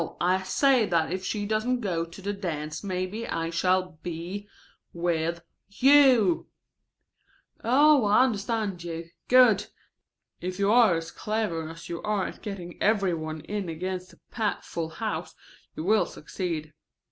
I say that if she doesn't go to the dance maybe I shall be with you." ("Oh, I understand you. Good. If you are as clever as you are at getting every one in against a pat full house you will succeed.